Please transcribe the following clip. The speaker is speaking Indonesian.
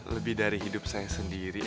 lebih dari hidup saya sendiri